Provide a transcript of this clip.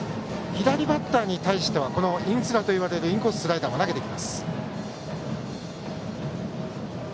左バッターに対してはインスラといわれるインコーススライダーを投げてきます。